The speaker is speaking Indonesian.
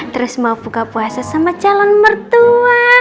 terus mau buka puasa sama calon mertua